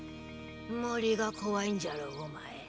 森が怖いんじゃろお前。